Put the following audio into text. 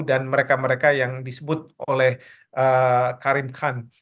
dan mereka mereka yang disebut oleh karim khan